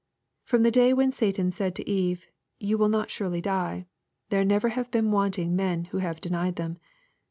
From the day when Satan said to Eve, " Ye shall not surely die," there never have been wanting men who have denied them.